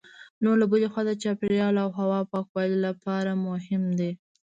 نو له بلې خوا د چاپېریال او هوا پاکوالي لپاره مهم دي.